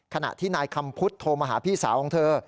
ขณะที่นายคำพุทธโทรมาหาพี่สาวของเธอ